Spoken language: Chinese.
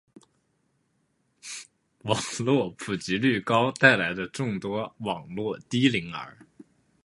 网络普及率高带来的众多网络低龄儿